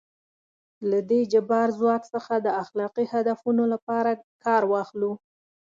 له دې جبار ځواک څخه د اخلاقي هدفونو لپاره کار واخلو.